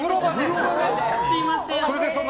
すみません。